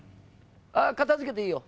あぁ片づけていいよ。